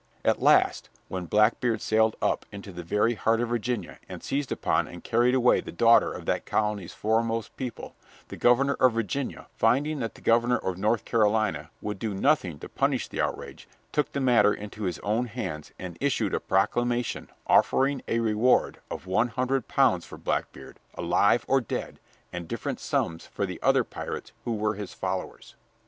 At last, when Blackbeard sailed up into the very heart of Virginia, and seized upon and carried away the daughter of that colony's foremost people, the governor of Virginia, finding that the governor of North Carolina would do nothing to punish the outrage, took the matter into his own hands and issued a proclamation offering a reward of one hundred pounds for Blackbeard, alive or dead, and different sums for the other pirates who were his followers.